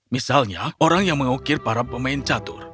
misalnya orang yang mengukir para pemain catur